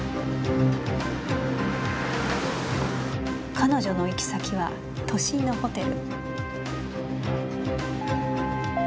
彼女の行き先は都心のホテル。